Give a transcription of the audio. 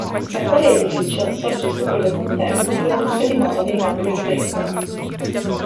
L'attuale edificio sorge su quello che un tempo fu l'antica dimora dei nobili Rodengo.